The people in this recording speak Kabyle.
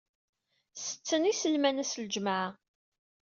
Setten iselman ass n lǧemɛa.